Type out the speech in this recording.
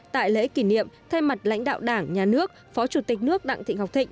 tại lễ kỷ niệm thay mặt lãnh đạo đảng nhà nước phó chủ tịch nước đặng thị ngọc thịnh